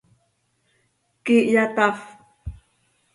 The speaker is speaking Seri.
¿Quíihya tafp?